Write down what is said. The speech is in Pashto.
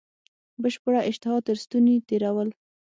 بشپړه اشتها تر ستوني تېرول.